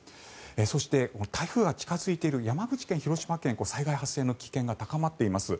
そして、台風が近づいている山口県、広島県災害発生の危険が高まっています。